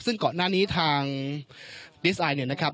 ซึ่งก่อนหน้านี้ทางดีสไอเนี่ยนะครับ